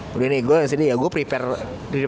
gue yang sedih ya gue prepare di sini ya